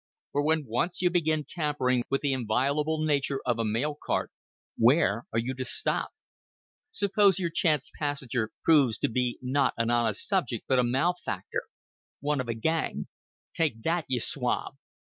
For when once you begin tampering with the inviolable nature of a mail cart, where are you to stop? Suppose your chance passenger proves to be not an honest subject, but a malefactor one of a gang. "Take that, ye swab."